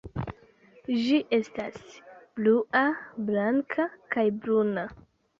Ĝi estas blua, blanka, kaj bruna.